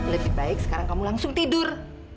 lebih baik sekarang kamu langsung tidur